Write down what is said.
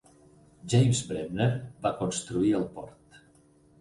James Bremner va construir el port.